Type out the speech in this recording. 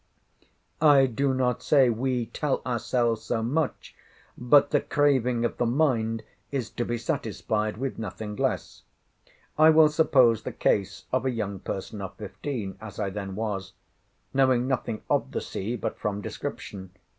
I do not say we, tell ourselves so much, but the craving of the mind is to be satisfied with nothing less. I will suppose the case of a young person of fifteen (as I then was) knowing nothing of the sea, but from description.